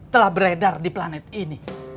telah beredar di planet ini